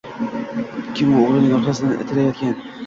Kim u o‘g‘lining orqasidan itarayotgan?